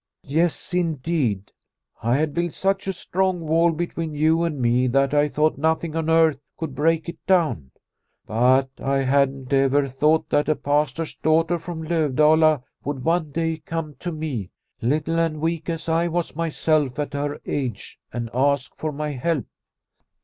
" Yes, indeed, I had built such a strong wall between you and me that I thought nothing on earth could break it down. But I hadn't ever thought that a Pastor's daughter from Lovdala would one day come to me, little and weak as I was myself at her age, and ask for my help.